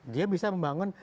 dia bisa membangun